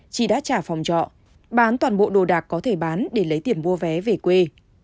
chị đã trả phòng trọ bán toàn bộ đồ đạc có thể bán để lấy tiền mua vé về quê